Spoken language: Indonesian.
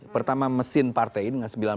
pertama mesin partai dengan sembilan